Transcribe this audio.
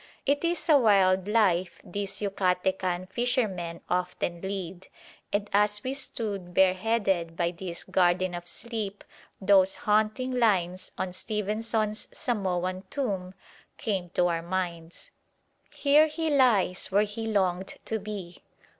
It is a wild life these Yucatecan fishermen often lead, and as we stood bare headed by this "Garden of Sleep," those haunting lines on Stevenson's Samoan tomb came to our minds: "Here he lies where he longed to be.